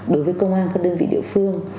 đối với công an các đơn vị địa phương